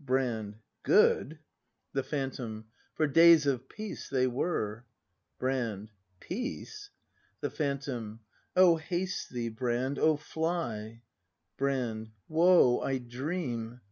Brand. "Good!" ACT V] BRAND 293 The Phantom. For days of peace they were. Brand. "Peace?" The Phantom. O haste thee, Brand, O fly! Brand. Woe, I dream!